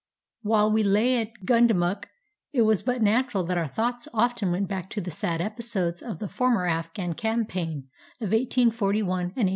] While we lay at Gundamuk it was but natural that our thoughts often went back to the sad episodes of the former Afghan campaign of 1841 and 1842.